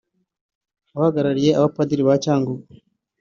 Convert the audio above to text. uhagarariye abapadiri ba Cyangugu